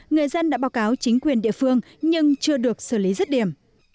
người dân đã báo cáo chính quyền địa phương nhưng chưa được xử lý rất điểm